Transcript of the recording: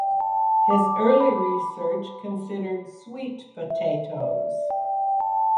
His early research considered sweet potatoes.